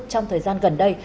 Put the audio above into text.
trong thời gian gần đây